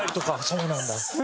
そうなんだって。